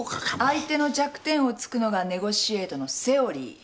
相手の弱点を突くのがネゴシエートのセオリー。